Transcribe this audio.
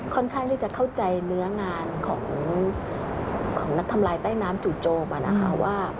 ค่อนข้างที่จะเข้าใจเนื้องานของนักทำลายใต้น้ำจู่โจมนะคะว่า